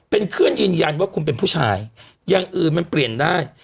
เป็นเพื่อนยืนยันว่าคุณเป็นผู้ชายอย่างอื่นมันเปลี่ยนได้